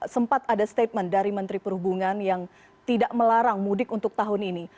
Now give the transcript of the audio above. sempat ada statement dari menteri perhubungan yang tidak melarang mudik untuk tahun ini